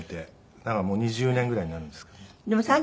だからもう２０年ぐらいになるんですかね。